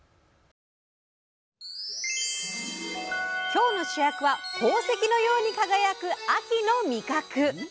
今日の主役は宝石のように輝く秋の味覚！